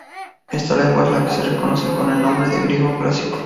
Esta lengua es la que se conoce con el nombre de griego clásico.